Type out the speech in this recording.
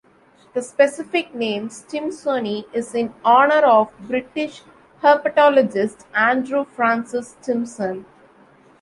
The specific name, "stimsoni", is in honor of British herpetologist Andrew Francis Stimson.